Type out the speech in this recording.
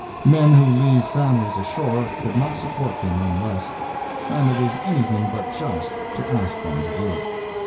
Men who leave families ashore, could not support them on less, and it is anything but just to ask them to do it.